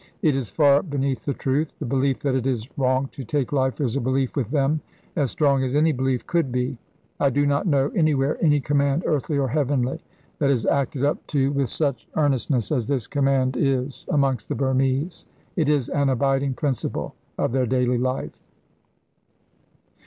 It is far beneath the truth. The belief that it is wrong to take life is a belief with them as strong as any belief could be. I do not know anywhere any command, earthly or heavenly, that is acted up to with such earnestness as this command is amongst the Burmese. It is an abiding principle of their daily life.